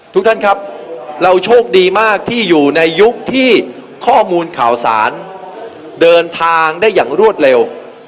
ทุกท่านครับเราโชคดีมากที่อยู่ในยุคที่ข้อมูลข่าวสารเดินทางได้อย่างรวดเร็ว